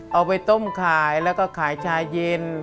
เอาไปต้มขายแล้วก็ขายชาเย็น